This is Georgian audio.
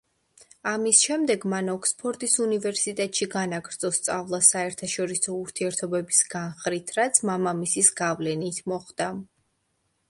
ამის შემდეგ მან ოქსფორდის უნივერსიტეტში განაგრძო სწავლა, საერთაშორისო ურთიერთობების განხრით, რაც მამამისის გავლენით მოხდა.